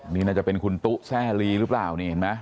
นี่น่าจะเป็นคุณตุ๊แซ่ลีหรือเปล่านี่เห็นไหม